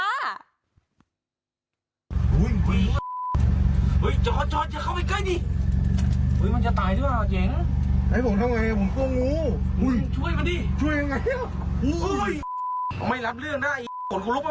ทางก่อนเดี๋ยวรถมา